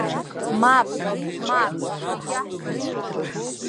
Мап, мап, егьаҳҳәаӡом.